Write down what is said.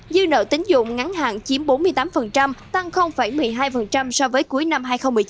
dư nợ tính dụng ngắn hạn chiếm bốn mươi tám tăng một mươi hai so với cuối năm hai nghìn một mươi chín